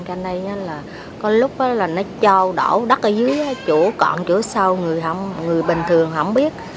cho nên là có lúc nó cho đỏ đất ở dưới chỗ cọn chỗ sâu người bình thường không biết